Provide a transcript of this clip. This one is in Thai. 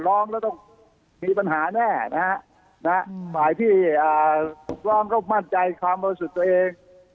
ร้องแล้วต้องมีปัญหาแน่นะฮะฝ่ายที่ถูกร้องก็มั่นใจความบริสุทธิ์ตัวเอง